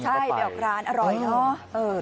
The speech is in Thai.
ใช่ไปออกร้านอร่อยเนอะ